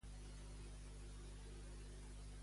La direcció de Podem a Espanya culmina el cop contra Fachín.